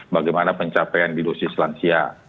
bagaimana pencapaian di dosis lansia